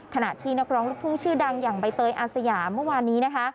ขณะที่นักร้องลูกทุ่งชื่อดังอย่างใบเตยอาสยามเมื่อวานนี้นะคะ